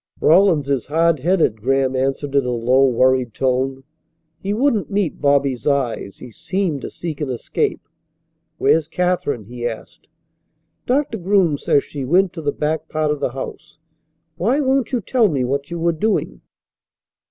"Rawlins is hard headed," Graham answered in a low, worried tone. He wouldn't meet Bobby's eyes. He seemed to seek an escape. "Where's Katherine?" he asked. "Doctor Groom says she went to the back part of the house. Why won't you tell me what you were doing?"